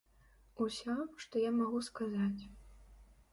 Усё, што я магу сказаць.